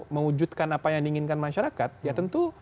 mewujudkan apa yang diinginkan masyarakat ya tentu